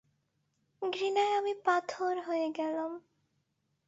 ঘৃণায় আমি পাথর হয়ে গেলাম।